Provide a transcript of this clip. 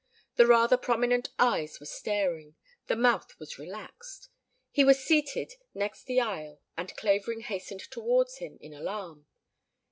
The rather prominent eyes were staring, the mouth was relaxed. He was seated next the aisle and Clavering hastened toward him in alarm.